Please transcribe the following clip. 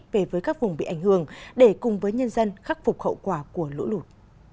về với các vùng bị ảnh hưởng để cùng với nhân dân khắc phục hậu quả của lũ lụt